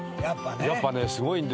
やっぱすごいんですよ。